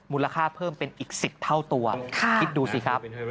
เพิ่มเป็นอีก๑๐เท่าตัวคิดดูสิครับ